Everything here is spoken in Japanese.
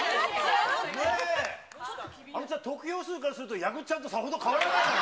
あのちゃん、得票数からすると、やぐっちゃんとさほど変わらないよ。